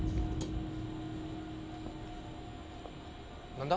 何だ？